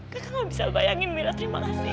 kakak gak bisa bayangin mira terima kasih ya